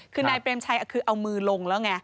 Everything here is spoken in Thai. คือนายเปรมชัยคือเอามือลงแล้วไง